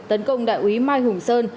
tấn công đại úy mai hùng sơn